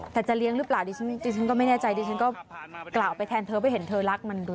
แต่จะเลี้ยงหรือเปล่าดิฉันก็ไม่แน่ใจดิฉันก็กล่าวไปแทนเธอไปเห็นเธอรักมันด้วย